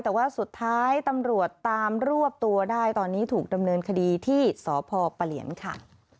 แต่ว่าสุดท้ายตำรวจตามรวบตัวได้ตอนนี้ถูกดำเนินคดีที่สพปะเหลียนค่ะ